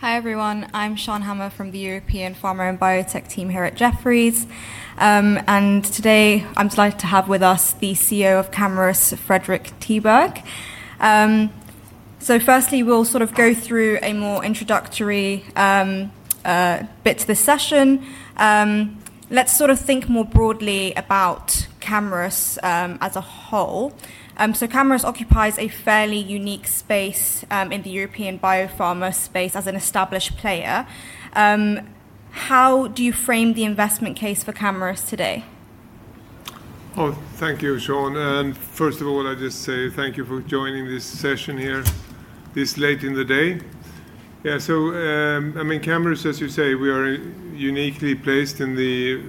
Hi, everyone. I'm Shan Hama from the European Pharma and Biotech team here at Jefferies. Today, I'm delighted to have with us the CEO of Camurus, Fredrik Tiberg. Firstly, we'll go through a more introductory bit to this session. Let's think more broadly about Camurus as a whole. Camurus occupies a fairly unique space in the European biopharma space as an established player. How do you frame the investment case for Camurus today? Oh, thank you, Shan. First of all, I just say thank you for joining this session here this late in the day. Yeah. Camurus, as you say, we are uniquely placed in the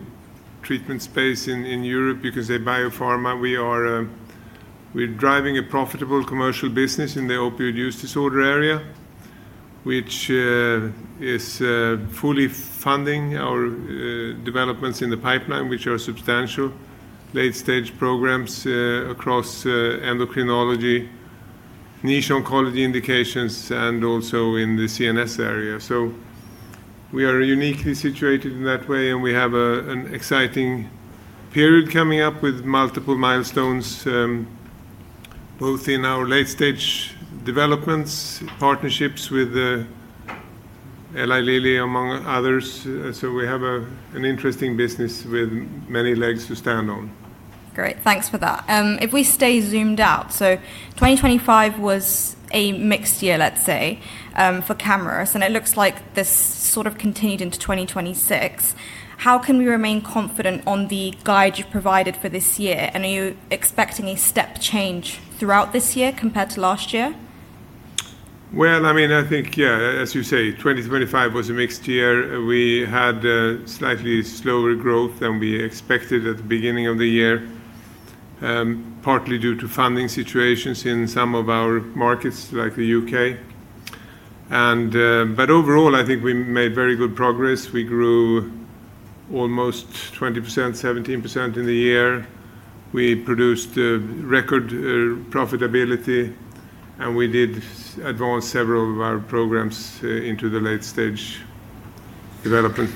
treatment space in Europe because a biopharma. We're driving a profitable commercial business in the opioid use disorder area, which is fully funding our developments in the pipeline, which are substantial late-stage programs across endocrinology, niche oncology indications, and also in the CNS area. We are uniquely situated in that way, and we have an exciting period coming up with multiple milestones, both in our late-stage developments, partnerships with Eli Lilly, among others. We have an interesting business with many legs to stand on. Great, thanks for that. If we stay zoomed out, 2025 was a mixed year, let's say, for Camurus, and it looks like this sort of continued into 2026. How can we remain confident on the guide you provided for this year? Are you expecting a step change throughout this year compared to last year? Well, I think, yeah, as you say, 2025 was a mixed year. We had a slightly slower growth than we expected at the beginning of the year, partly due to funding situations in some of our markets, like the U.K.. Overall, I think we made very good progress. We grew almost 20%, 17% in the year. We produced record profitability, and we did advance several of our programs into the late-stage development.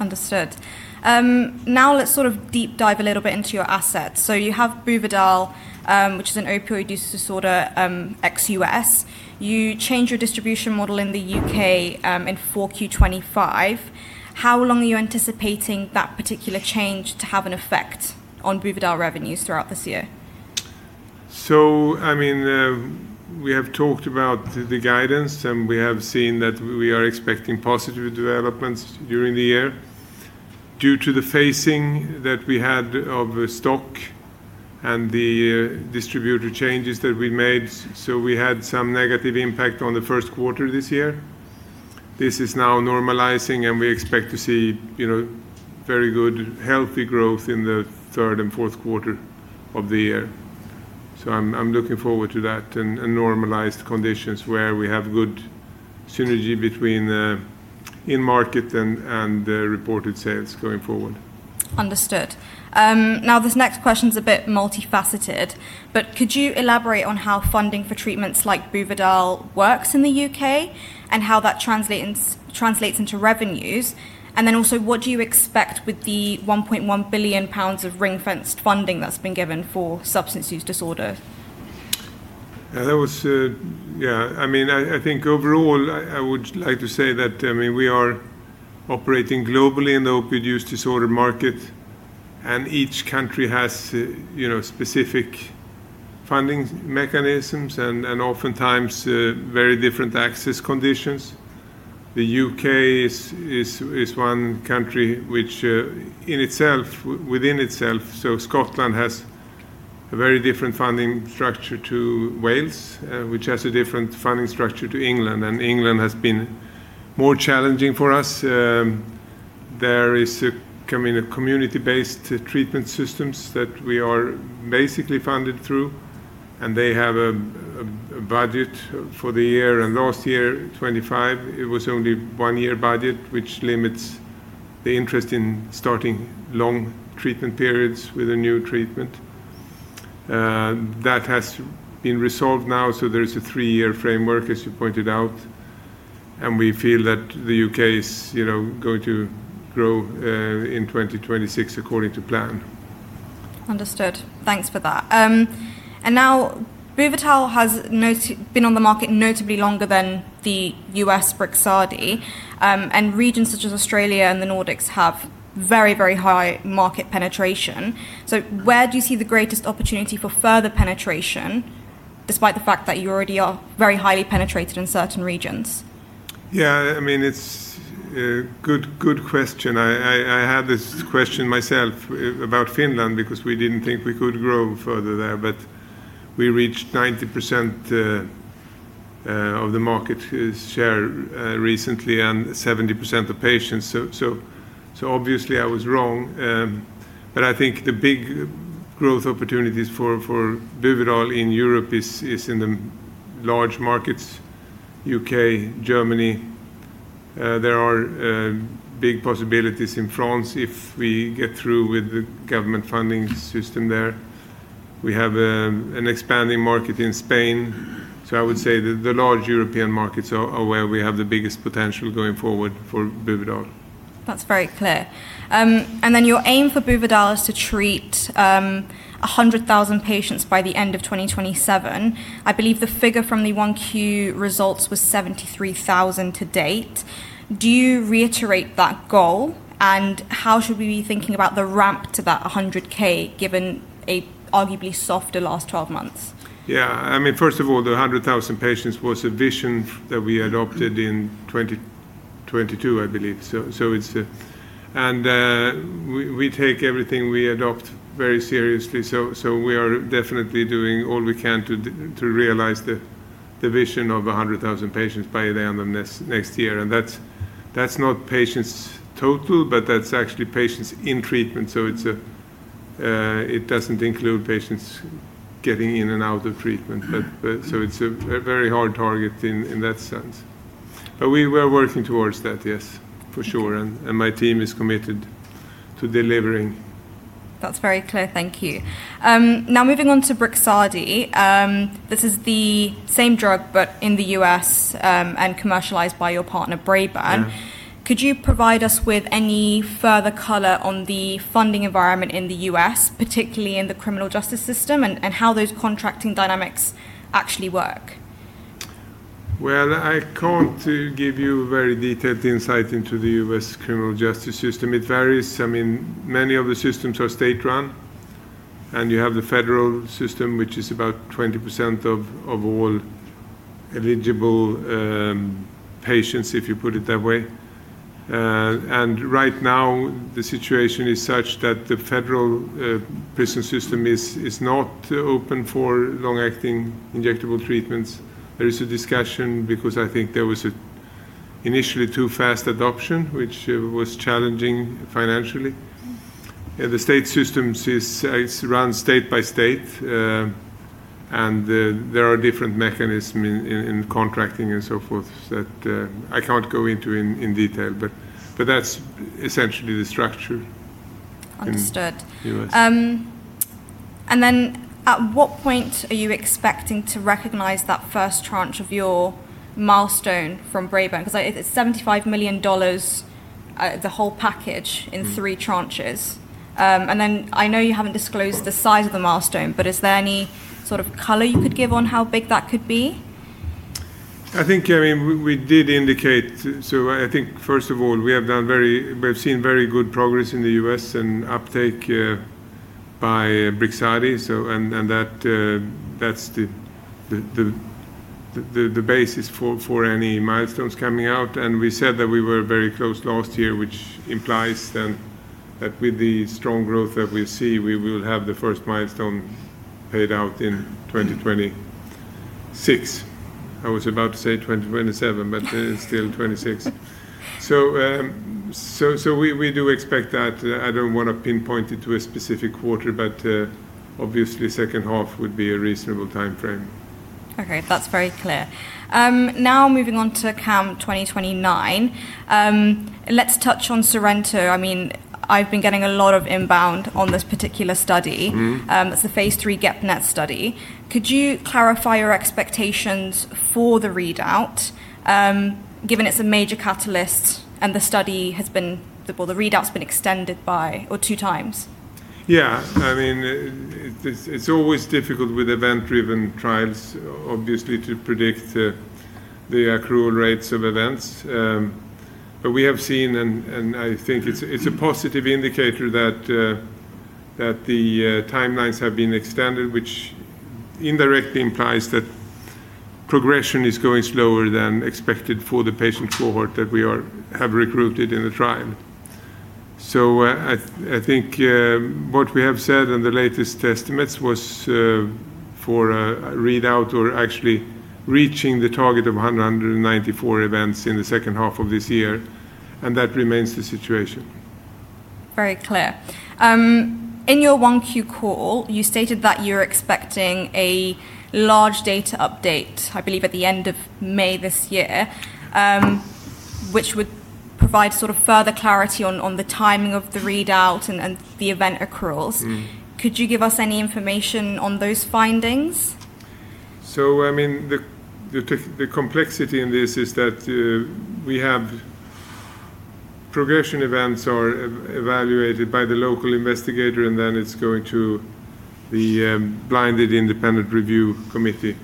Understood. Now let's deep dive a little bit into your assets. You have Buvidal, which is an opioid use disorder ex U.S.. You changed your distribution model in the U.K. in 4Q 2025. How long are you anticipating that particular change to have an effect on Buvidal revenues throughout this year? We have talked about the guidance, and we have seen that we are expecting positive developments during the year. Due to the phasing that we had of stock and the distributor changes that we made, we had some negative impact on the first quarter this year. This is now normalizing, and we expect to see very good, healthy growth in the third and fourth quarter of the year. I'm looking forward to that and normalized conditions where we have good synergy between the in-market and the reported sales going forward. Understood. This next question's a bit multifaceted, but could you elaborate on how funding for treatments like Buvidal works in the U.K., and how that translates into revenues? What do you expect with the 1.1 billion pounds of ring-fenced funding that's been given for substance use disorder? I think overall, I would like to say that we are operating globally in the opioid use disorder market. Each country has specific funding mechanisms and oftentimes very different access conditions. The U.K. is one country within itself. Scotland has a very different funding structure to Wales, which has a different funding structure to England. England has been more challenging for us. There is a community-based treatment systems that we are basically funded through. They have a budget for the year. Last year, 2025, it was only one-year budget, which limits the interest in starting long treatment periods with a new treatment. That has been resolved now. There is a three-year framework, as you pointed out. We feel that the U.K. is going to grow in 2026 according to plan. Understood. Thanks for that. Now, Buvidal has been on the market notably longer than the U.S. BRIXADI, and regions such as Australia and the Nordics have very high market penetration. Where do you see the greatest opportunity for further penetration, despite the fact that you already are very highly penetrated in certain regions? Yeah. It's a good question. I had this question myself about Finland because we didn't think we could grow further there, but we reached 90% of the market share recently and 70% of patients. Obviously, I was wrong. I think the big growth opportunities for Buvidal in Europe is in the large markets, U.K., Germany. There are big possibilities in France if we get through with the government funding system there. We have an expanding market in Spain. I would say that the large European markets are where we have the biggest potential going forward for Buvidal. That's very clear. Your aim for Buvidal is to treat 100,000 patients by the end of 2027. I believe the figure from the 1Q results was 73,000 to date. Do you reiterate that goal? How should we be thinking about the ramp to that 100,000, given arguably softer last 12 months? Yeah. First of all, the 100,000 patients was a vision that we adopted in 2022, I believe. We take everything we adopt very seriously, so we are definitely doing all we can to realize the vision of 100,000 patients by the end of next year. That's not patients total, but that's actually patients in treatment. It doesn't include patients getting in and out of treatment. It's a very hard target in that sense. We are working towards that, yes, for sure, and my team is committed to delivering. That's very clear. Thank you. Moving on to BRIXADI. This is the same drug, but in the U.S., and commercialized by your partner, Braeburn. Yeah. Could you provide us with any further color on the funding environment in the U.S., particularly in the criminal justice system, and how those contracting dynamics actually work? Well, I can't give you a very detailed insight into the U.S. criminal justice system. It varies. Many of the systems are state-run, and you have the federal system, which is about 20% of all eligible patients, if you put it that way. Right now, the situation is such that the federal prison system is not open for long-acting injectable treatments. There is a discussion because I think there was initially too fast adoption, which was challenging financially. The state systems, it's run state by state, and there are different mechanisms in contracting and so forth that I can't go into in detail, but that's essentially the structure. Understood. In the U.S. At what point are you expecting to recognize that first tranche of your milestone from Braeburn? It's $75 million, the whole package, in three tranches. I know you haven't disclosed the size of the milestone, but is there any sort of color you could give on how big that could be? I think we did indicate. I think, first of all, we have seen very good progress in the U.S. and uptake by BRIXADI, and that's the basis for any milestones coming out. We said that we were very close last year, which implies then that with the strong growth that we see, we will have the first milestone paid out in 2026. I was about to say 2027, but it's still 2026. We do expect that. I don't want to pinpoint it to a specific quarter, but obviously second half would be a reasonable timeframe. Okay. That's very clear. Moving on to CAM2029. Let's touch on SORENTO. I've been getting a lot of inbound on this particular study. It's the phase III GEP-NET study. Could you clarify your expectations for the readout, given it's a major catalyst and the readout's been extended by two times? It's always difficult with event-driven trials, obviously, to predict the accrual rates of events. We have seen, and I think it's a positive indicator that the timelines have been extended, which indirectly implies that progression is going slower than expected for the patient cohort that we have recruited in the trial. I think what we have said in the latest estimates was for a readout or actually reaching the target of 194 events in the second half of this year, and that remains the situation. Very clear. In your 1Q call, you stated that you're expecting a large data update, I believe, at the end of May this year, which would provide further clarity on the timing of the readout and the event accruals. Could you give us any information on those findings? The complexity in this is that we have progression events are evaluated by the local investigator, and then it's going to the blinded independent review committee.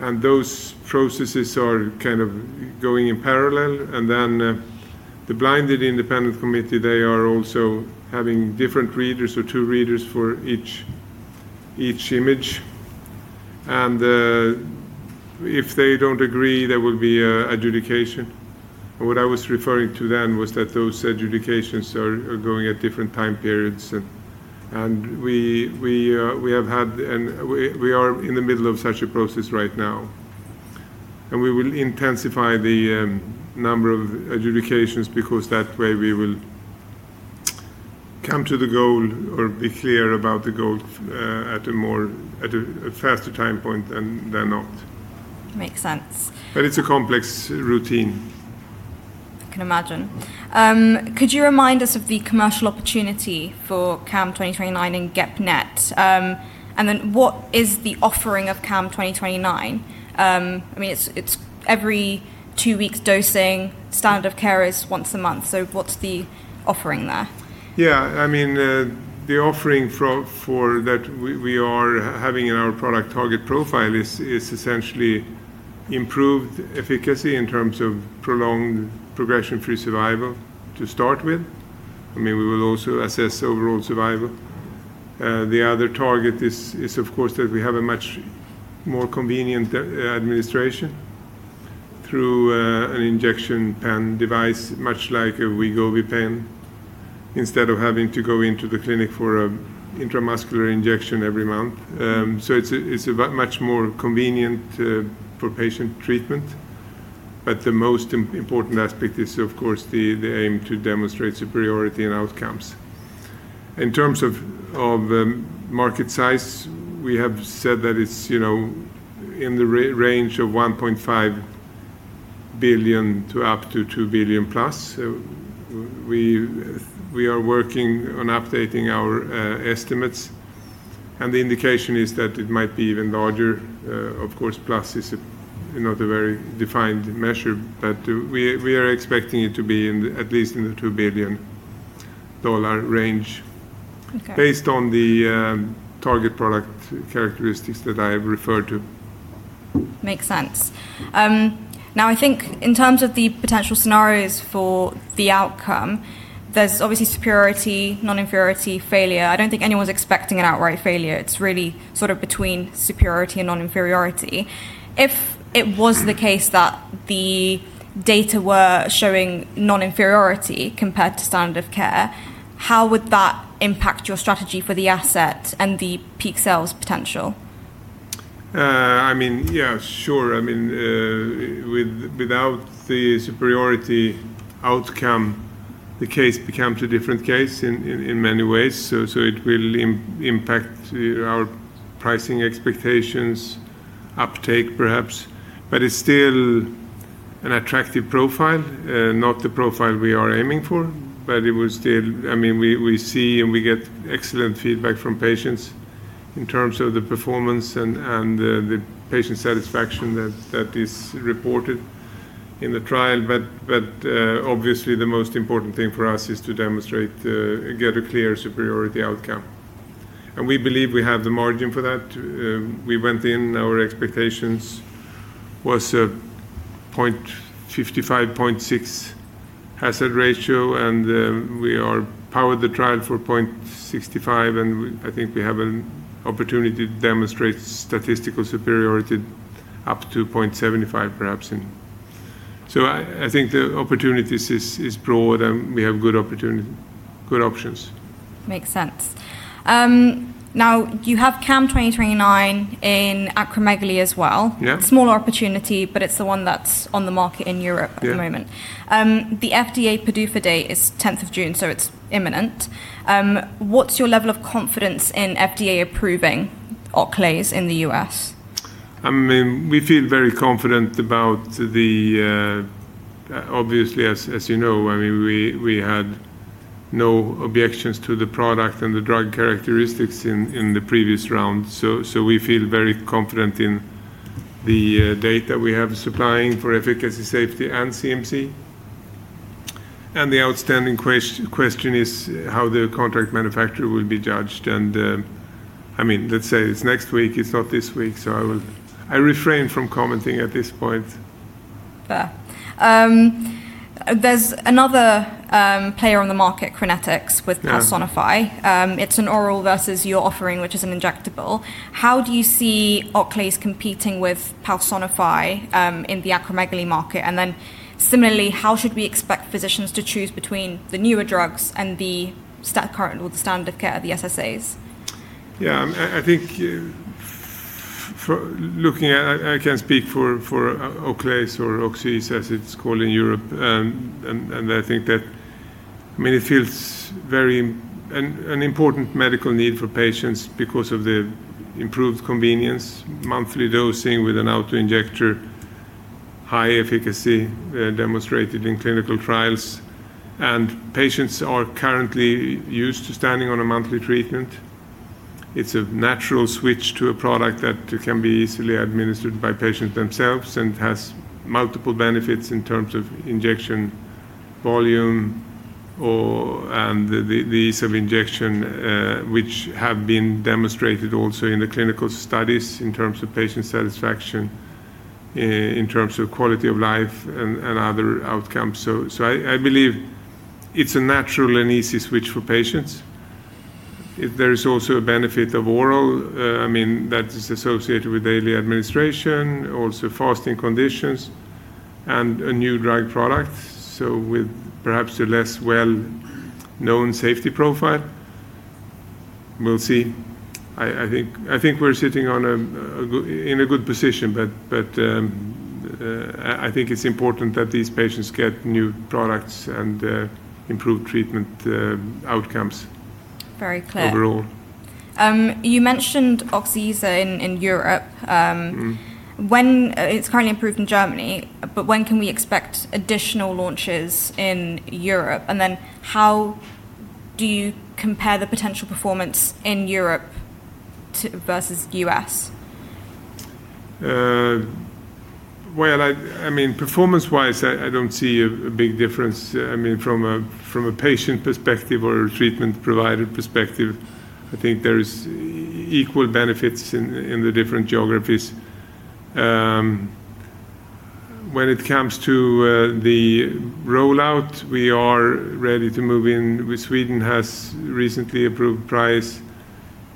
Those processes are going in parallel. Then the blinded independent committee, they are also having different readers or two readers for each image. If they don't agree, there will be adjudication. What I was referring to then was that those adjudications are going at different time periods. We are in the middle of such a process right now. We will intensify the number of adjudications because that way we will come to the goal or be clear about the goal at a faster time point than not. Makes sense. It's a complex routine. I can imagine. Could you remind us of the commercial opportunity for CAM2029 and GEP-NET? What is the offering of CAM2029? It's every two weeks dosing. Standard of care is once a month. What's the offering there? Yeah. The offering that we are having in our product target profile is essentially improved efficacy in terms of prolonged progression-free survival to start with. We will also assess overall survival. The other target is, of course, that we have a much more convenient administration through an injection pen device, much like a Wegovy pen, instead of having to go into the clinic for an intramuscular injection every month. It's much more convenient for patient treatment. The most important aspect is, of course, the aim to demonstrate superiority in outcomes. In terms of market size, we have said that it's in the range of $1.5 billion to up to $2 billion-plus. We are working on updating our estimates, and the indication is that it might be even larger. Of course, plus is not a very defined measure. We are expecting it to be at least in the $2 billion range- Okay. Based on the target product characteristics that I referred to. Makes sense. I think in terms of the potential scenarios for the outcome, there's obviously superiority, non-inferiority, failure. I don't think anyone's expecting an outright failure. It's really between superiority and non-inferiority. If it was the case that the data were showing non-inferiority compared to standard of care, how would that impact your strategy for the asset and the peak sales potential? Yeah, sure. Without the superiority outcome, the case becomes a different case in many ways. It will impact our pricing expectations, uptake perhaps. It's still an attractive profile. Not the profile we are aiming for, but we see and we get excellent feedback from patients in terms of the performance and the patient satisfaction that is reported in the trial. Obviously, the most important thing for us is to get a clear superiority outcome. We believe we have the margin for that. We went in, our expectations was a 0.55, 0.6 hazard ratio, we powered the trial for 0.65, I think we have an opportunity to demonstrate statistical superiority up to 0.75 perhaps. I think the opportunities is broad, and we have good options. Makes sense. Now, you have CAM2029 in acromegaly as well. Yeah. Smaller opportunity. It's the one that's on the market in Europe at the moment. The FDA PDUFA date is 10th of June, so it's imminent. What's your level of confidence in FDA approving Oclaiz in the U.S.? We feel very confident. Obviously, as you know, we had no objections to the product and the drug characteristics in the previous round. We feel very confident in the data we have supplying for efficacy, safety, and CMC. The outstanding question is how the contract manufacturer will be judged. Let's say it's next week, it's not this week, so I refrain from commenting at this point. Fair. There's another player on the market, Crinetics- Yeah. With paltusotine. It's an oral versus your offering, which is an injectable. How do you see Oclaiz competing with paltusotine in the acromegaly market? Similarly, how should we expect physicians to choose between the newer drugs and the current standard of care, the SSAs? I can speak for Oclaiz or Oczyesa as it's called in Europe. I think that it feels very an important medical need for patients because of the improved convenience, monthly dosing with an auto-injector, high efficacy demonstrated in clinical trials. Patients are currently used to standing on a monthly treatment. It's a natural switch to a product that can be easily administered by patients themselves and has multiple benefits in terms of injection volume or the ease of injection, which have been demonstrated also in the clinical studies in terms of patient satisfaction, in terms of quality of life, and other outcomes. I believe it's a natural and easy switch for patients. There is also a benefit of oral that is associated with daily administration, also fasting conditions, and a new drug product. With perhaps a less well-known safety profile. We'll see. I think we're sitting in a good position, but I think it's important that these patients get new products and improved treatment outcomes. Very clear. Overall. You mentioned Oczyesa in Europe. It's currently approved in Germany, but when can we expect additional launches in Europe? How do you compare the potential performance in Europe versus U.S.? Well, performance-wise, I don't see a big difference. From a patient perspective or a treatment provider perspective, I think there is equal benefits in the different geographies. When it comes to the rollout, we are ready to move in. Sweden has recently approved price.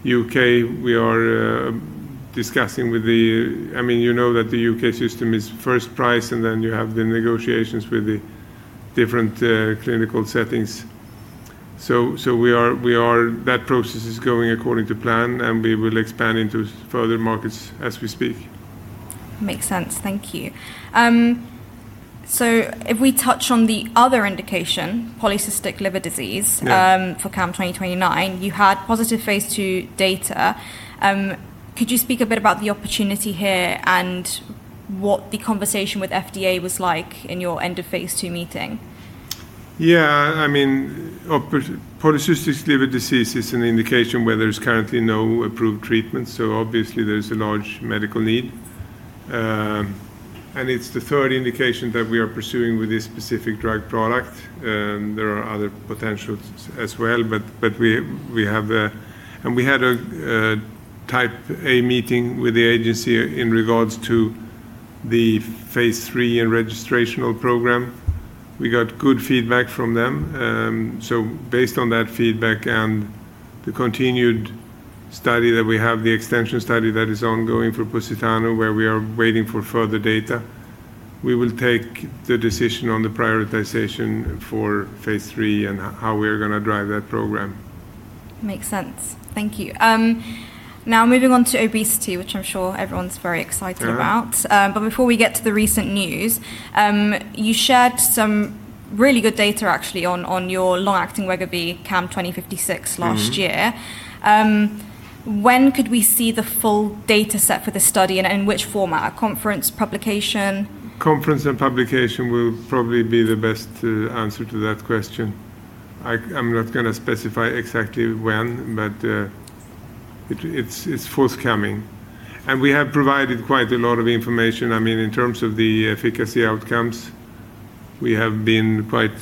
U.K., we are discussing. You know that the U.K. system is first price and then you have the negotiations with the different clinical settings. That process is going according to plan, and we will expand into further markets as we speak. Makes sense. Thank you. If we touch on the other indication, polycystic liver disease- Yeah. For CAM2029, you had positive phase II data. Could you speak a bit about the opportunity here and what the conversation with FDA was like in your end of phase II meeting? Yeah. polycystic liver disease is an indication where there's currently no approved treatment, so obviously there's a large medical need. It's the third indication that we are pursuing with this specific drug product. There are other potentials as well. We had a Type A meeting with the agency in regards to the phase III and registrational program. We got good feedback from them. Based on that feedback and the continued study that we have, the extension study that is ongoing for POSITANO, where we are waiting for further data, we will take the decision on the prioritization for phase III and how we are going to drive that program. Makes sense. Thank you. Moving on to obesity, which I'm sure everyone's very excited about. Yeah. Before we get to the recent news, you shared some really good data actually on your long-acting Wegovy, CAM2056, last year. When could we see the full data set for the study and in which format? A conference publication? Conference and publication will probably be the best answer to that question. I'm not going to specify exactly when, but it's forthcoming. We have provided quite a lot of information. In terms of the efficacy outcomes, we have been quite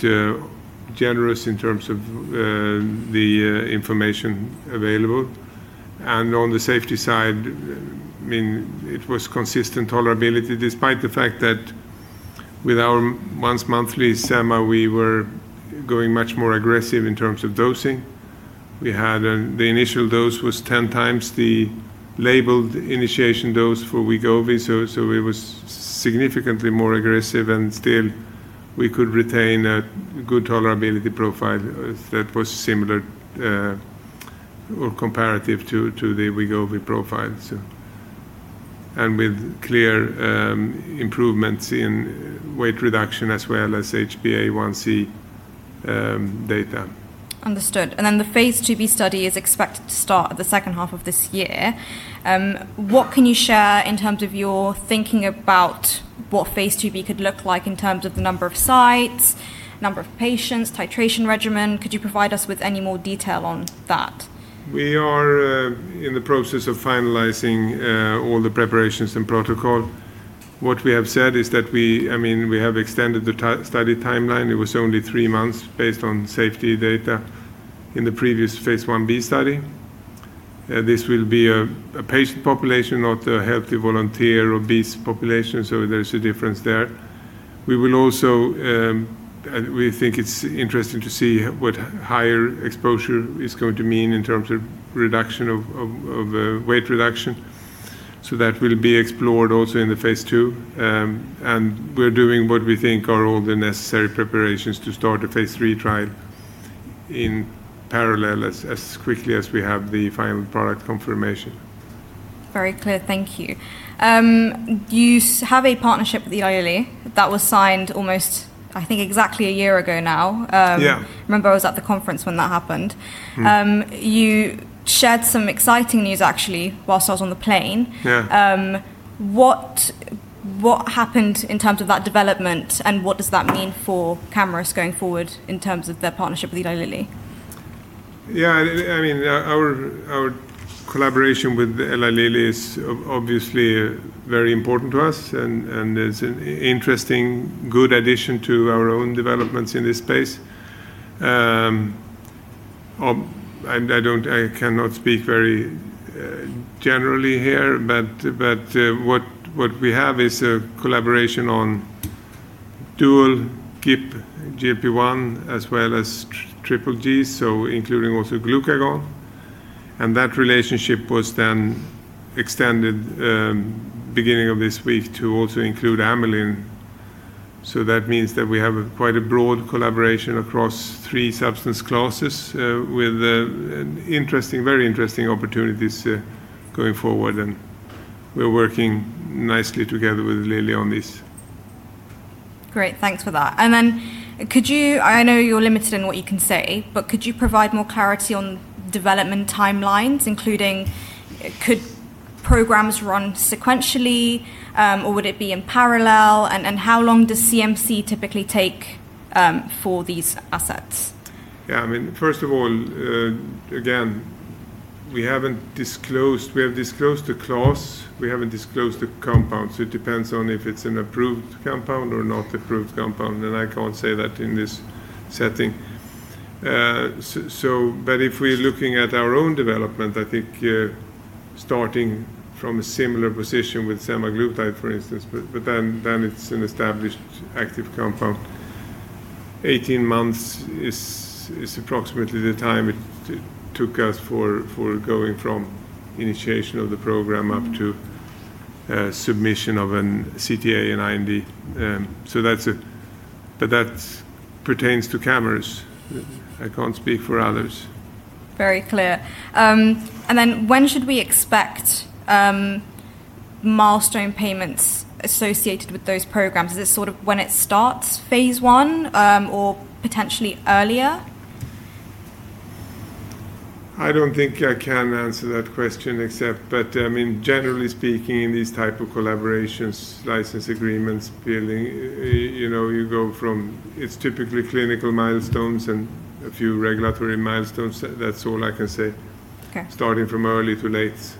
generous in terms of the information available. On the safety side, it was consistent tolerability, despite the fact that with our once monthly sema, we were going much more aggressive in terms of dosing. The initial dose was 10 times the labeled initiation dose for Wegovy, so it was significantly more aggressive and still we could retain a good tolerability profile that was similar or comparative to the Wegovy profile. With clear improvements in weight reduction as well as HbA1c data. Understood. The phase II-B study is expected to start the second half of this year. What can you share in terms of your thinking about what phase II-B could look like in terms of the number of sites, number of patients, titration regimen? Could you provide us with any more detail on that? We are in the process of finalizing all the preparations and protocol. What we have said is that we have extended the study timeline. It was only three months based on safety data in the previous phase I-B study. This will be a patient population, not a healthy volunteer obese population. There's a difference there. We think it's interesting to see what higher exposure is going to mean in terms of weight reduction. That will be explored also in the phase II. We're doing what we think are all the necessary preparations to start a phase III trial in parallel, as quickly as we have the final product confirmation. Very clear. Thank you. You have a partnership with the Eli Lilly that was signed almost, I think, exactly a year ago now. Yeah. I remember I was at the conference when that happened. You shared some exciting news actually while I was on the plane. Yeah. What happened in terms of that development? What does that mean for Camurus going forward in terms of their partnership with Eli Lilly? Yeah. Our collaboration with Eli Lilly is obviously very important to us, and it's an interesting, good addition to our own developments in this space. I cannot speak very generally here, but what we have is a collaboration on dual GLP-1 as well as triple-G, so including also glucagon. That relationship was then extended beginning of this week to also include amylin. That means that we have quite a broad collaboration across three substance classes with very interesting opportunities going forward. We're working nicely together with Lilly on this. Great. Thanks for that. Then could you, I know you're limited in what you can say, but could you provide more clarity on development timelines, including could programs run sequentially, or would it be in parallel? How long does CMC typically take for these assets? Yeah. First of all, again, we have disclosed the class. We haven't disclosed the compounds. It depends on if it's an approved compound or not approved compound, and I can't say that in this setting. If we're looking at our own development, I think starting from a similar position with semaglutide, for instance, then it's an established active compound. 18 months is approximately the time it took us for going from initiation of the program up to submission of a CTA in IND. That pertains to Camurus. I can't speak for others. Very clear. When should we expect milestone payments associated with those programs? Is it sort of when it starts phase I, or potentially earlier? I don't think I can answer that question, but generally speaking, in these type of collaborations, license agreements, Lilly, you go from, it's typically clinical milestones and a few regulatory milestones. That's all I can say. Okay. Starting from early to late-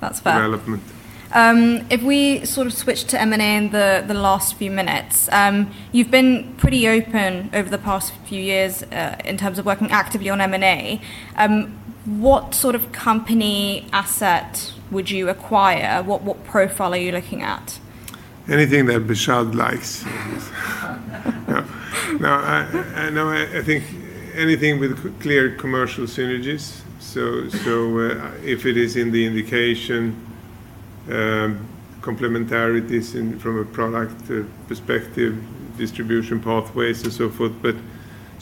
That's fair. Development. If we sort of switch to M&A in the last few minutes, you've been pretty open over the past few years in terms of working actively on M&A. What sort of company asset would you acquire? What profile are you looking at? Anything that Behshad likes. No. I think anything with clear commercial synergies. If it is in the indication, complementarities from a product perspective, distribution pathways, and so forth.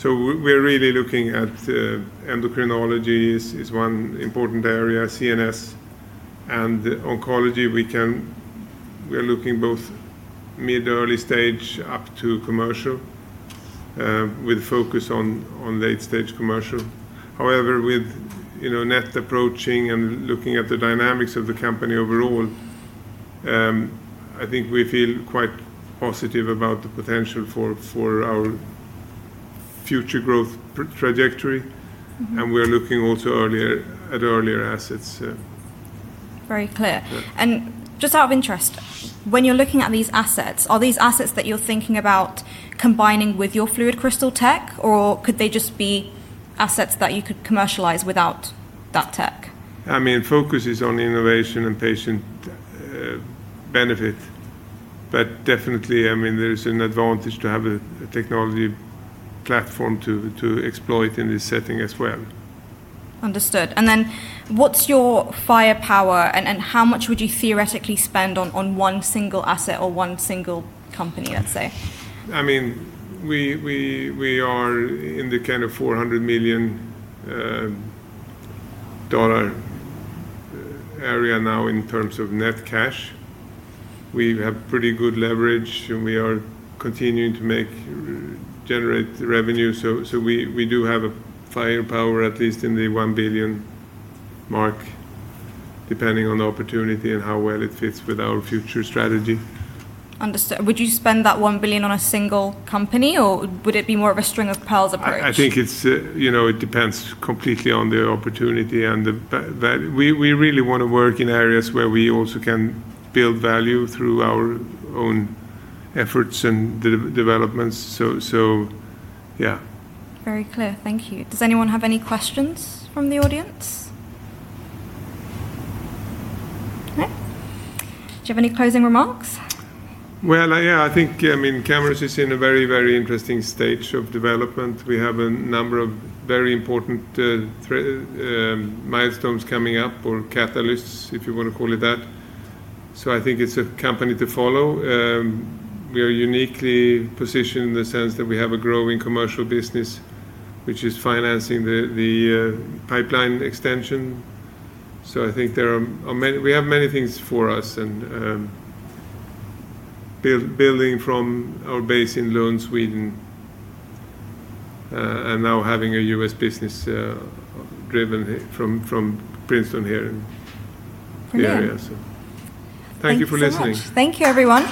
We're really looking at endocrinology is one important area, CNS, and oncology. We are looking both mid early stage up to commercial, with focus on late stage commercial. However, with NET approaching and looking at the dynamics of the company overall, I think we feel quite positive about the potential for our future growth trajectory. We are looking also at earlier assets. Very clear. Yeah. Just out of interest, when you're looking at these assets, are these assets that you're thinking about combining with your FluidCrystal tech, or could they just be assets that you could commercialize without that tech? Focus is on innovation and patient benefit, but definitely there's an advantage to have a technology platform to exploit in this setting as well. Understood. What's your firepower, and how much would you theoretically spend on one single asset or one single company, let's say? We are in the kind of $400 million area now in terms of net cash. We have pretty good leverage. We are continuing to generate revenue. We do have a firepower, at least in the $1 billion mark, depending on the opportunity and how well it fits with our future strategy. Understood. Would you spend that $1 billion on a single company, or would it be more of a string of pearls approach? I think it depends completely on the opportunity. We really want to work in areas where we also can build value through our own efforts and developments. Yeah. Very clear. Thank you. Does anyone have any questions from the audience? No. Do you have any closing remarks? Well, yeah. I think Camurus is in a very interesting stage of development. We have a number of very important milestones coming up, or catalysts, if you want to call it that. I think it's a company to follow. We are uniquely positioned in the sense that we have a growing commercial business, which is financing the pipeline extension. I think we have many things for us, and building from our base in Lund, Sweden, and now having a U.S. business driven from Princeton here in the area. Yeah. Thank you for listening. Thank you so much. Thank you, everyone.